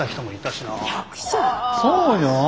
そうよ。